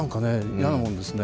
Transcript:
嫌なもんですね。